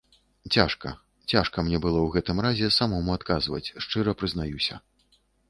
Цяжка, цяжка мне было ў гэтым разе самому адказваць, шчыра прызнаюся.